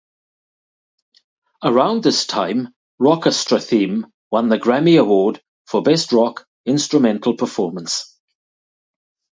Around this time, "Rockestra Theme" won the Grammy Award for Best Rock Instrumental Performance.